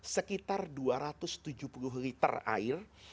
sekitar dua ratus tujuh puluh liter air